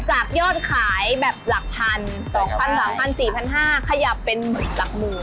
จากยอดขายแบบหลักพัน๒๐๐๐๓๐๐๐บาท๔๕๐๐บาทขยับเป็นหลักหมู่